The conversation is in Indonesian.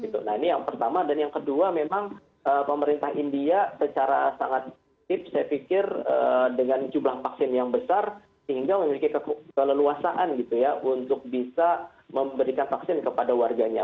jadi itu adalah yang pertama dan yang kedua memang pemerintah india secara sangat tip saya pikir dengan jumlah vaksin yang besar sehingga memiliki keleluasaan gitu ya untuk bisa memberikan vaksin kepada warganya